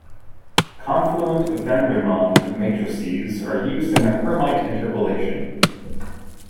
Confluent Vandermonde matrices are used in Hermite interpolation.